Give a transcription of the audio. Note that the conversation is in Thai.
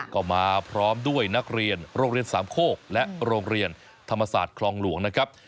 ก็มาพร้อมด้วยนักเรียนโรงเรียนสามโคกและโรงเรียนธรรมศาสตร์คลองหลวงนะครับ